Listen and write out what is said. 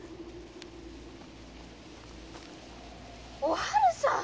おはるさん！